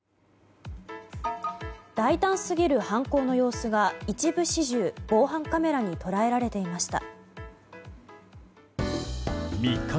大胆すぎる犯行の様子が一部始終、防犯カメラに捉えられていました。